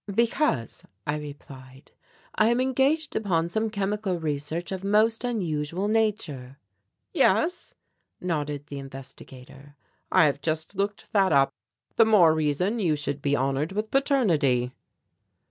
"Because," I replied, "I am engaged upon some chemical research of most unusual nature " "Yes," nodded the Investigator, "I have just looked that up. The more reason you should be honoured with paternity."